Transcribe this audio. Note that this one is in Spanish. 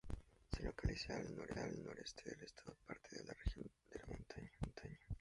Se localiza al noreste del estado formando parte de la región de La Montaña.